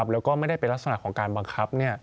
แล้วก็ไม่ได้เป็นลักษณะของการบังคับ